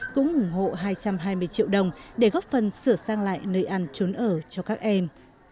cũng ủng hộ hai trăm hai mươi triệu đồng để góp phần sửa sang lại nơi ăn trốn ở cho các em